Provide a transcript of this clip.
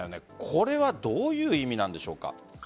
これはどういう意味なんでしょうか？